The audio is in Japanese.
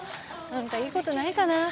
何かいいことないかな？